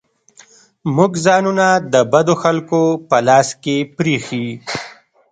موږ ځانونه د بدو خلکو په لاس کې پرېښي.